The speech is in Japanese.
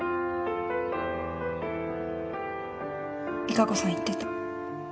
利華子さん言ってた。